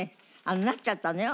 なっちゃったのよ